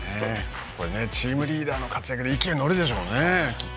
チームリーダーの活躍で勢いに乗るでしょうね。